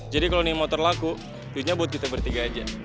jadi kalo ini motor laku duitnya buat kita bertiga aja